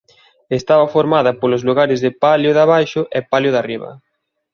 Estaba formada polos lugares de Palio de Abaixo e Palio de Arriba.